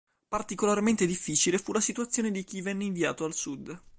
Particolarmente difficile fu la situazione di chi venne inviato al sud.